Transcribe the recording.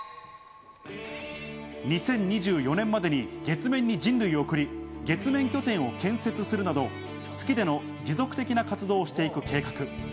２０２４年までに月面に人類を送り、月面拠点を建設するなど、月での持続的な活動をしていく計画。